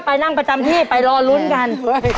ไปนั่งประจำที่ไปรอลุ้นกัน